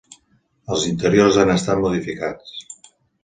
Els interiors han estat modificats.